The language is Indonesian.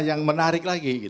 yang menarik lagi